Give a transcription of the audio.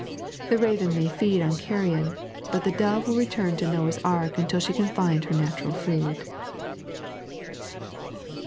The raven may feed on carrion, but the dove will return to Noah's Ark until she can find her natural food.